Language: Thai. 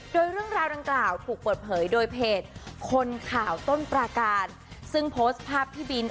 โดยเรื่องราวดังกล่าวถูกเปิดเผยโดยเพจคนข่าวต้นปราการซึ่งโพสต์ภาพพี่บิน